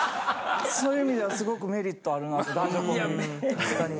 そういう意味ではすごくメリットあるなあと男女コンビ。